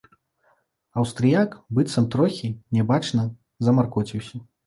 Аўстрыяк быццам трохі, нябачна, замаркоціўся.